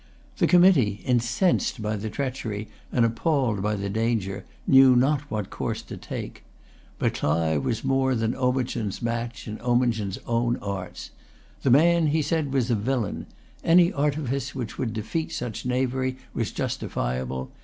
The committee, incensed by the treachery and appalled by the danger, knew not what course to take. But Clive was more than Omichund's match in Omichund's own arts. The man, he said, was a villain. Any artifice which would defeat such knavery was justifiable.